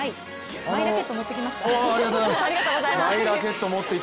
マイラケットを持ってきました。